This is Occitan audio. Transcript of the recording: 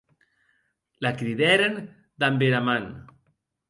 La cridèren damb era man.